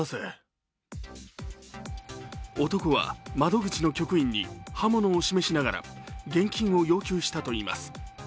男は窓口の局員に刃物を示しながら現金を要求したといいます。